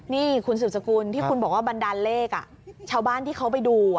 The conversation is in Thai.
นี่คุณสืบสกุลที่คุณบอกว่าบันดาลเลขชาวบ้านที่เขาไปดู